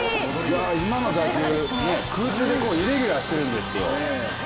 今の打球、空中でイレギュラーしてるんですよ。